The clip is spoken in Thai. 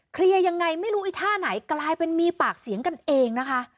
เคลียร์ยังไงไม่รู้ไอ้ท่าไหนกลายเป็นมีปากเสียงกันเองนะคะ